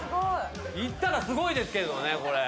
いったらすごいですけどねこれ。